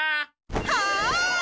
はい！